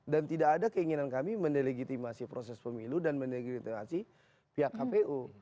dan tidak ada keinginan kami mendelegitimasi proses pemilu dan mendelegitimasi pihak kpu